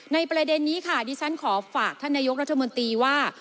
ประเด็นนี้ค่ะดิฉันขอฝากท่านนายกรัฐมนตรีว่า